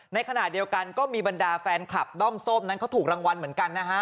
ในขณะเดียวกันก็มีบรรดาแฟนคลับด้อมส้มนั้นเขาถูกรางวัลเหมือนกันนะฮะ